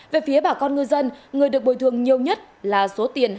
về phía bà con ngư dân người được bồi thường nhiều nhất là số tiền hai tỷ một trăm linh triệu đồng